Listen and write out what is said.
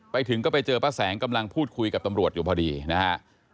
ไปถึงก็ไปเจอป้าแสงกำลังพูดคุยกับตำรวจอยู่พอดีนะฮะ